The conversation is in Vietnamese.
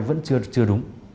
vẫn chưa đúng